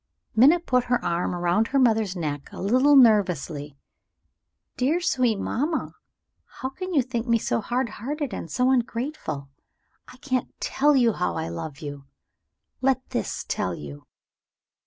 Minna put her arm round her mother's neck a little nervously. "Dear, sweet mamma, how can you think me so hard hearted and so ungrateful? I can't tell you how I love you! Let this tell you."